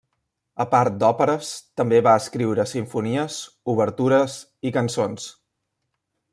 A part d'òperes, també va escriure simfonies, obertures i cançons.